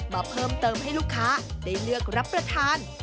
มาเพิ่มเติมให้ลูกค้าได้เลือกรับประทาน